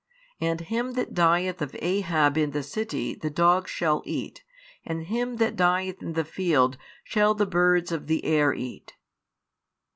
And him that dieth of Ahab in the city the dogs shall eat, and him that dieth in the field shall the birds of the air eat.